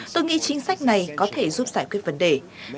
tôi nghĩ chính sách này có thể giúp đỡ các trường học khác nhau